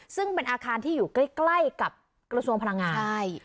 ซึ่งเป็นอาคารที่อยู่ใกล้กับกระทรวงพลังงานใช่